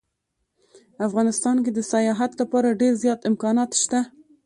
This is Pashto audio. افغانستان کې د سیاحت لپاره ډیر زیات امکانات شته